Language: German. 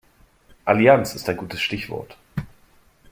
Allianz ist ein gutes Stichwort.